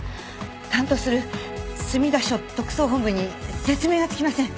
担当する墨田署特捜本部に説明がつきません。